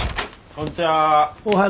こんちは。